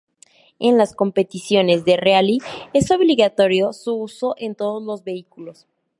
En las competiciones de rally es obligatorio su uso en todos los vehículos.